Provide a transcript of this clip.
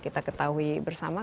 kita ketahui bersama